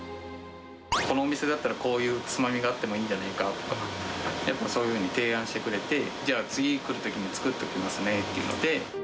このお店だったら、こういうつまみがあってもいいんじゃないかとか、そういうふうに提案してくれて、じゃあ次来るときに作っておきますねっていうので。